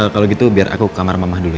kalau gitu biar aku ke kamar mama dulu ya